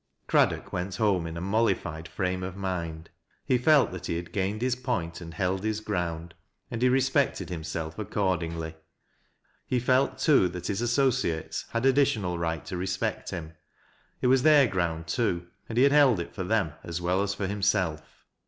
Craddock went home in a mollified frame of mind. He felt that he had gained his point and held his ground, and he respected himself accordingly. He felt too that his associates had additional right to respect him. It was theii ground too, ar.d he had held it for them as well as for him self.